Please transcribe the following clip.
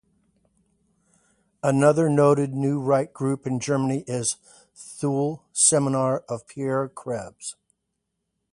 Another noted New Right group in Germany is Thule Seminar of Pierre Krebs.